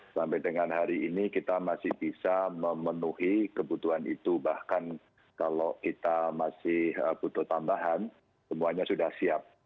sampai dengan hari ini kita masih bisa memenuhi kebutuhan itu bahkan kalau kita masih butuh tambahan semuanya sudah siap